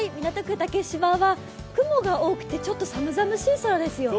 竹芝は雲が多くてちょっと寒々しい空ですよね。